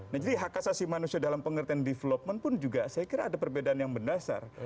nah jadi hak asasi manusia dalam pengertian development pun juga saya kira ada perbedaan yang mendasar